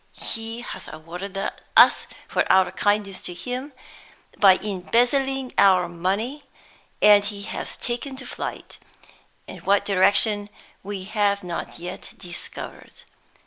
He has awarded us for our kindness to him by embezzling our money; and he has taken to flight in what direction we have not yet discovered.